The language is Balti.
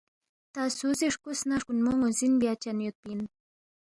تا سُو سی ہرکُوس نہ ہرکوُنمو ن٘وزِن بیا چن یودپی اِن